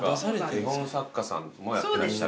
絵本作家さんもやってらっしゃる。